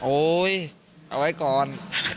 โอ๊ยเอาไว้ก่อน